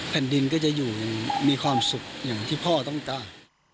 แผ่นดินก็จะอยู่อย่างมีความสุขอย่างที่พ่อต้องการ